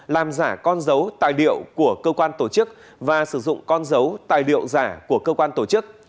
làm giả con dấu tài liệu của cơ quan tổ chức và sử dụng con dấu tài liệu giả của cơ quan tổ chức